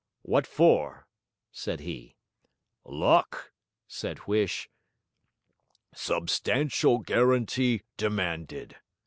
'What for?' said he. 'Luck,' said Huish. 'Substantial guarantee demanded.'